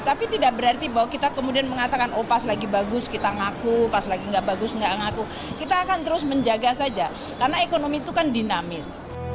tapi tidak berarti bahwa kita kemudian mengatakan oh pas lagi bagus kita ngaku pas lagi nggak bagus nggak ngaku kita akan terus menjaga saja karena ekonomi itu kan dinamis